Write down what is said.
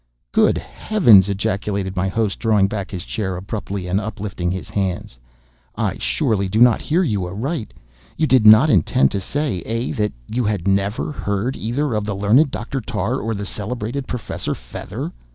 "Good heavens!" ejaculated my host, drawing back his chair abruptly, and uplifting his hands. "I surely do not hear you aright! You did not intend to say, eh? that you had never heard either of the learned Doctor Tarr, or of the celebrated Professor Fether?"